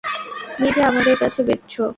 নিজে আমাদের কাছে বেচছো?